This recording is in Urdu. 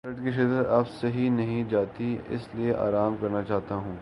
درد کی شدت اب سہی نہیں جاتی اس لیے آرام کرنا چاہتا ہوں